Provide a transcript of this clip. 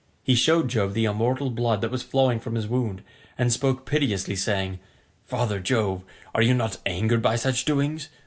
He showed Jove the immortal blood that was flowing from his wound, and spoke piteously, saying, "Father Jove, are you not angered by such doings?